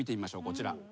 こちら。